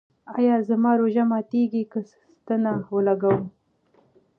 ایا زما روژه ماتیږي که ستنه ولګوم؟